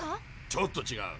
ちょっとちがう。